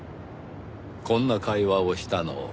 こんな会話をしたのを。